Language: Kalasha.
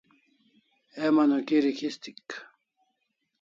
Heman o kirik histik